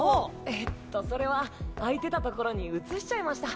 えっとそれは空いてた所に移しちゃいました。